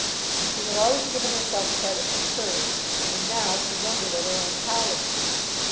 She had always given herself credit for courage, and now she wondered at her own cowardice.